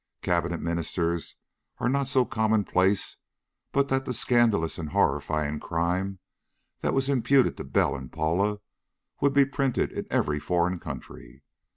Cabinet ministers are not so commonplace but that the scandalous and horrifying crime that was imputed to Bell and Paula would be printed in every foreign country.